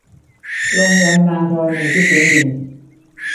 ลงยันต์นางธรณีที่พื้นดิน